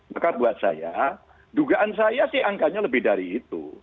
maka buat saya dugaan saya sih angkanya lebih dari itu